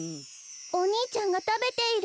おにいちゃんがたべている。